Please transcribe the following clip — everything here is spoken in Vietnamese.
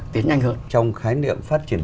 tiến nhanh hơn trong khái niệm phát triển